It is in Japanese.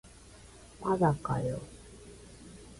まだかよ